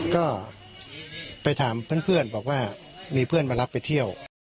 ก็ไปถามเพื่อนบอกว่ามีเพื่อนมารับไปเที่ยว